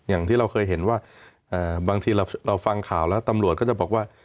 อย่างที่เราเคยเห็นว่าบางทีเราฟังข่าวแล้วตำรวจก็จะบอกว่า